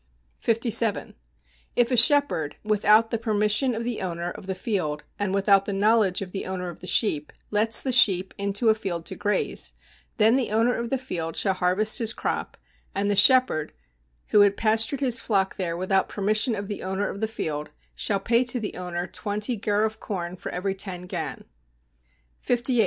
57. If a shepherd, without the permission of the owner of the field, and without the knowledge of the owner of the sheep, lets the sheep into a field to graze, then the owner of the field shall harvest his crop, and the shepherd, who had pastured his flock there without permission of the owner of the field, shall pay to the owner twenty gur of corn for every ten gan. 58.